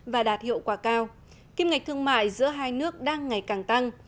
và đạt hiệu quả cao kim ngạch thương mại giữa hai nước đang ngày càng tăng